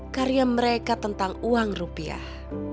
karya mereka tentang uang rupiah